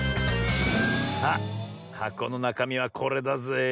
さあはこのなかみはこれだぜえ。